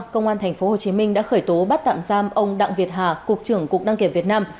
công an tp hcm đã khởi tố bắt tạm giam ông đặng việt hà cục trưởng cục đăng kiểm việt nam